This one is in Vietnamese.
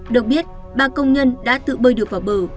được biết ba công nhân đã tự bơi được vào bờ